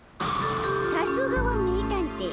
さすがは名探偵。